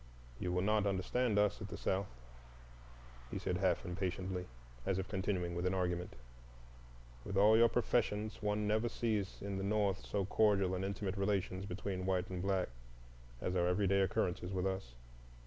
"You will not understand us at the South," he said half impatiently, as if continuing an argument. "With all your professions, one never sees in the North so cordial and intimate relations between white and black as are everyday occurrences with us.